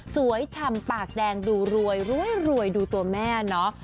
ฉ่ำปากแดงดูรวยรวยดูตัวแม่เนาะ